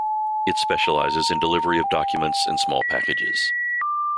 It specializes in delivery of documents and small packages.